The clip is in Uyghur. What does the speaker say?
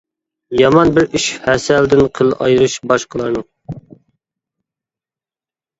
يامان بىر ئىش ھەسەلدىن قىل ئايرىش باشقىلارنىڭ!